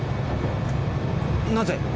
なぜ？